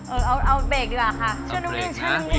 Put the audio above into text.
เอาเบกดีกว่าค่ะ